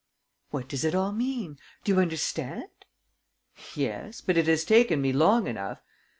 "What does it all mean? Do you understand?" "Yes, but it has taken me long enough!